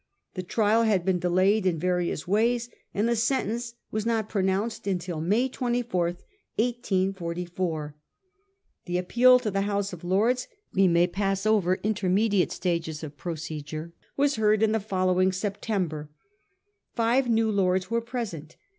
The trial had been delayed in various ways, and the sentence was not pronounced until May 24, 1844. The appeal to the House of Lords — we may pass over inter mediate stages of procedure — was heard in the fol lowing September. Five law lords were present.